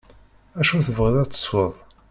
Acu tebɣiḍ ad tesweḍ.